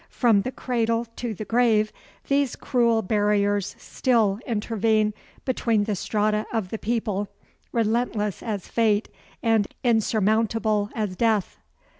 From the cradle to the grave these cruel barriers still intervene between the strata of the people, relentless as fate and insurmountable as death.